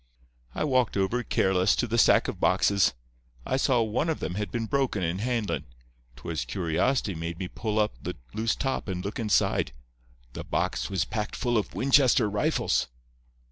"I walked over, careless, to the stack of boxes. I saw one of them had been broken in handlin'. 'Twas curiosity made me pull up the loose top and look inside. The box was packed full of Winchester rifles.